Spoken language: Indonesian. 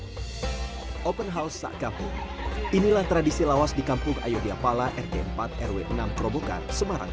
hai open house sakapi inilah tradisi lawas di kampung ayodiapala rt empat rw enam robokan semarang